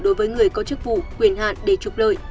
đối với người có chức vụ quyền hạn để trục lợi